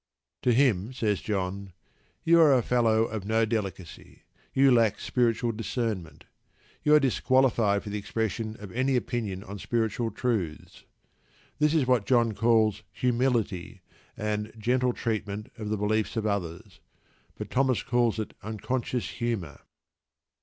To him says John: "You are a fellow of no delicacy. You lack spiritual discernment. You are disqualified for the expression of any opinion on spiritual truths." This is what John calls "humility," and "gentle treatment of the beliefs of others." But Thomas calls it unconscious humour.